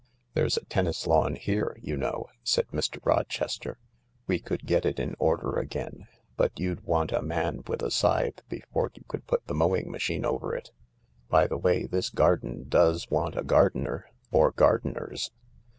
"There's a tennis lawn here, you know,"said Mr. Rochester. " We could get it in order again, but you'd Want a man with a scythe before you could put the mowing machine over it . By the, way, this garden does want a gardener — or gardeners."